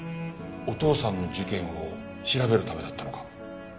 お父さんの事件を調べるためだったのか？